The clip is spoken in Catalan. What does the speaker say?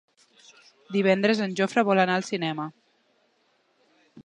Divendres en Jofre vol anar al cinema.